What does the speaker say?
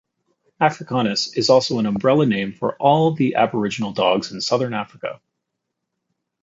Africanis is also an umbrella name for all the aboriginal dogs in Southern Africa.